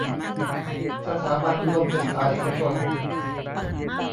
สถาบันอุดมศึกษาเอกชน